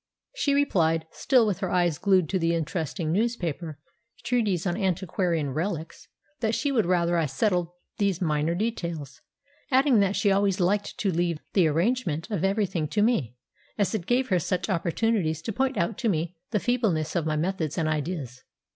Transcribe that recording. She replied, still with her eyes glued to the interesting newspaper treatise on antiquarian relics, that she would rather I settled these minor details, adding that she always liked to leave the arrangement of everything to me, as it gave her such opportunities to point out to me the feebleness of my methods and ideas.